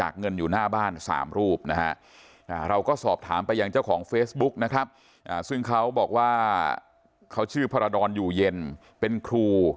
ซึ่งเขาบอกว่าเขาชื่อพรดรอยู่เย็นเป็นครู